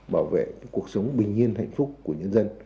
bảo vệ cuộc sống bình yên hạnh phúc của nhân dân